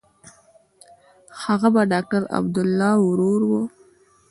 هغه د ډاکټر عبدالله ورور و.